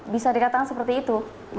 bisa dikatakan seperti itu